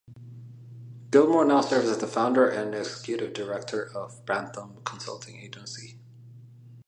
Gilmore now serves as the founder and Executive Director for Brandthumb Consulting Agency.